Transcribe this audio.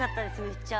めっちゃ。